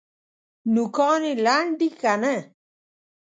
نوکان یې لنډ دي که نه؟